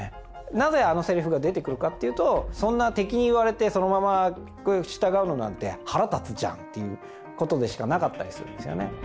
なぜあのセリフが出てくるかというと「そんな敵に言われてそのまま従うのなんて腹立つじゃん！」ということでしかなかったりするんですよね。